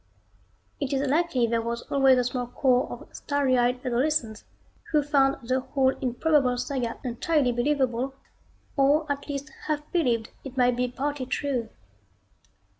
It is likely there was always a small corps of starry eyed adolescents who found the whole improbable saga entirely believable, or at least half believed it might be partly true.